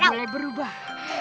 udah mulai berubah